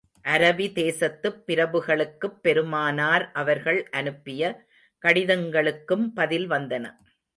அரபி தேசத்துப் பிரபுகளுக்குப் பெருமானார் அவர்கள் அனுப்பிய கடிதங்களுக்கும் பதில் வந்தன.